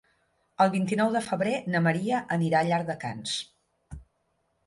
El vint-i-nou de febrer na Maria anirà a Llardecans.